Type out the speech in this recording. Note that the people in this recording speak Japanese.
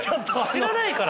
知らないから。